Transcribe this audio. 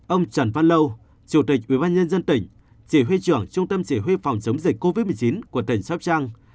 ông trần văn lâu chủ tịch ubnd tỉnh chỉ huy trưởng trung tâm chỉ huy phòng chống dịch covid một mươi chín của tỉnh sóc trăng